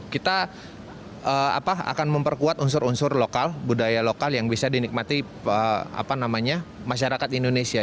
kita akan memperkuat unsur unsur lokal budaya lokal yang bisa dinikmati masyarakat indonesia